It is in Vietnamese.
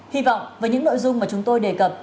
hy vọng với những nội dung mà chúng tôi đề cập